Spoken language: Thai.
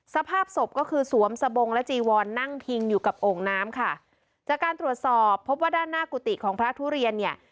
สภาพศพก็คือสวมสบงและจีวอนนั่งพิงอยู่กับโอ่งน้ำค่ะจากการตรวจสอบพบว่าด้านหน้ากุฏิของพระทุเรียนเนี่ย